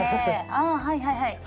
あはいはいはい。